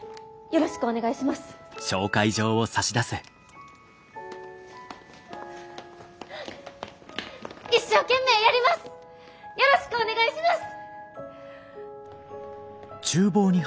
よろしくお願いします！